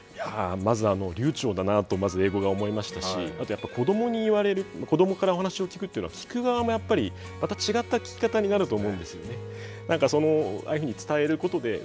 まずは、流ちょうだなと英語が思いましたし子どもに言われる子どもからお話を聞くというのは聞く側もやっぱりまた違った聞き方になると思うんですよね。